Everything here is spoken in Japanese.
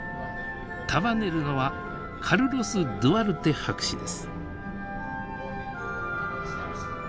束ねるのはカルロス・ドゥアルテ博士です。